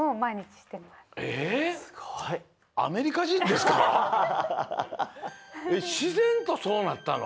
しぜんとそうなったの？